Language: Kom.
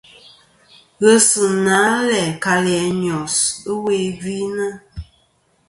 Ghesina læ kalì a Nyos ɨwe gvi nɨ̀.